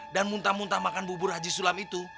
dan muntah muntah makan bubur haji sulam itu